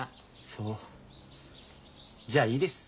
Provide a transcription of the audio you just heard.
そうじゃあいいです。